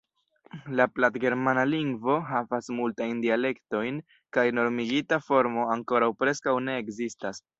La platgermana lingvo havas multajn dialektojn kaj normigita formo ankoraŭ preskaŭ ne ekzistas.